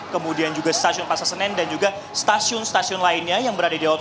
kemudian juga stasiun pasar senen dan juga stasiun stasiun lainnya yang berada di opsi